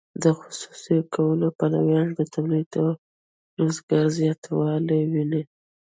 د خصوصي کولو پلویان د تولید او روزګار زیاتوالی ویني.